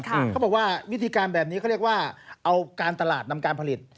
เขาบอกว่าวิธีการแบบนี้เขาเรียกว่าเอาการตลาดนำการผลิต